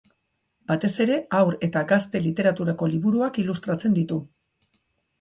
Batez ere Haur eta Gazte Literaturako liburuak ilustratzen ditu.